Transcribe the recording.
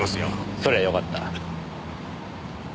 それはよかった。